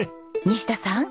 西田さん。